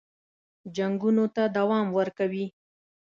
جنګونو ته دوام ورکوي.